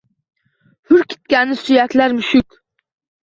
Hurkitkani suykalar mushuk